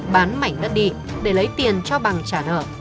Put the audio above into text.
bán mảnh đất đi để lấy tiền cho bằng trả nợ